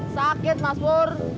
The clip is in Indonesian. sakit mas pur